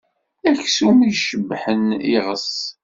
D aksum i icebbḥen iɣes.